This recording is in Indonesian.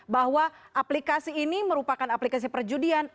bahwa aplikasi ini merupakan aplikasi perjudian